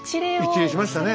一礼しましたね